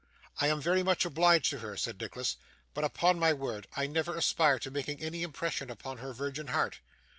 'I am very much obliged to her,' said Nicholas; 'but upon my word, I never aspired to making any impression upon her virgin heart.